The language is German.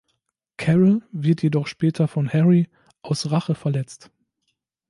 Carol wird jedoch später von Harry aus Rache verletzt.